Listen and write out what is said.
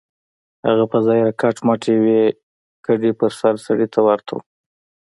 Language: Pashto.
هغه په ظاهره کټ مټ يوې کډې پر سر سړي ته ورته و.